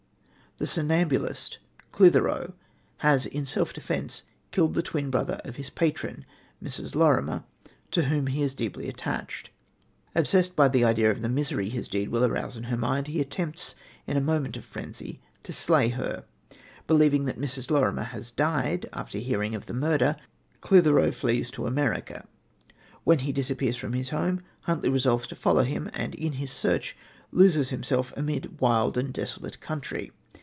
The somnambulist, Clithero, has, in self defence, killed the twin brother of his patron, Mrs, Lorimer, to whom he is deeply attached. Obsessed by the idea of the misery his deed will arouse in her mind, he attempts, in a moment of frenzy, to slay her. Believing that Mrs. Lorimer has died after hearing of the murder, Clithero flees to America. When he disappears from his home, Huntly resolves to follow him, and in his search loses himself amid wild and desolate country.